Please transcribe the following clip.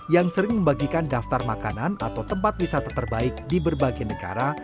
yang sering membagikan daftar makanan atau tempat wisata terbaik di berbagai negara